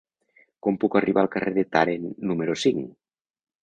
Com puc arribar al carrer de Tàrent número cinc?